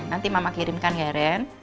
nanti mama kirimkan ya ren